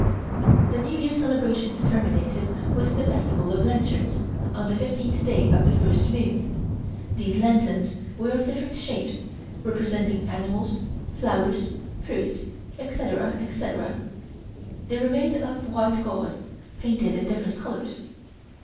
The New Year celebrations terminated with the Festival of Lanterns on the fifteenth day of the first moon. These lanterns were of different shapes, representing animals, flowers, fruits, etc., etc. They were made of white gauze, painted in different colors.